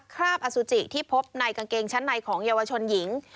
คราบอสุจิที่พบในกางเกงชั้นในของเยาวชนหญิง